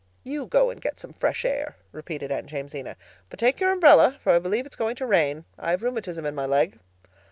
"You go and get some fresh air," repeated Aunt Jamesina, "but take your umbrella, for I believe it's going to rain. I've rheumatism in my leg."